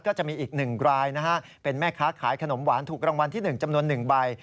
ก็จะมีอีก๑รายนะฮะเป็นแม่ค้าขายขนมหวานถูกรางวัลที่๑จำนวน๑ใบ